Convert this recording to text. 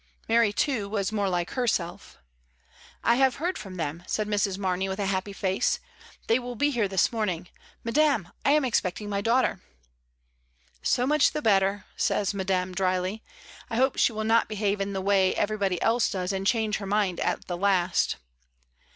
Mary, too, was more like herself "I have heard from them," said Mrs. Mamey, with a happy face. "They will be here this morning. Madame, I am expecting my daughter." So much the better," says Madame, dryly. "I 5* 68 MRS. DYMOND. hope she will not behave in the way everybody else does and change her mind at the last."